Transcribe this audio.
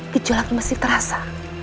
gejolaknya masih terasa